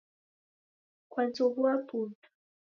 Kwazoghua putu